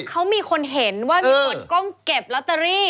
เขามีคนเห็นว่ามีคนก้มเก็บลอตเตอรี่